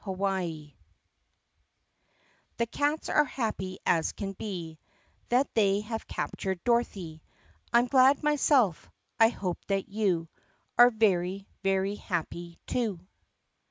CHAPTER XIII The cats are happy as can be That they have captured Dorothy . I ' m glad myself. I hope that you Are very * very happy too.